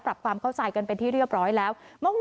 ปรับความเข้าใจกันเป็นที่เรียบร้อยแล้ว